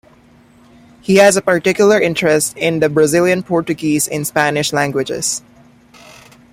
He has a particular interest in the Brazilian Portuguese and Spanish languages.